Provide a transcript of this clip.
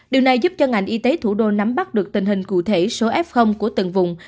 điều này giúp cho ngành y tế thủ đô nắm bắt được tình hình cụ thể số f của từng vùng